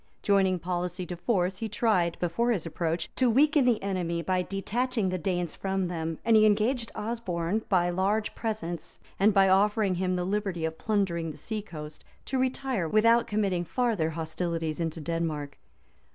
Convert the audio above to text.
Joining policy to force, he tried, before his approach, to weaken the enemy, by detaching the Danes from them; and he engaged Osberne, by large presents, and by offering him the liberty of plundering the sea coast, to retire without committing farther hostilities into Denmark.